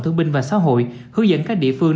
thương binh và xã hội hướng dẫn các địa phương